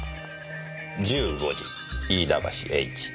「１５時飯田橋Ｈ」。